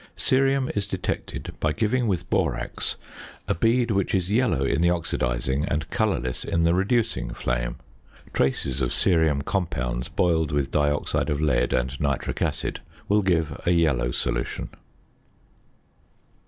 Cerium is detected by giving with borax a bead which is yellow in the oxidising, and colourless in the reducing flame. Traces of cerium compounds boiled with dioxide of lead and nitric acid will give a yellow solution.